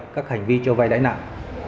các hành vi cho vay đáy nặng